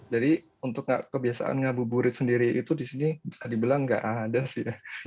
jadi untuk kebiasaan gang buburit sendiri itu di sini bisa dibilang nggak ada sih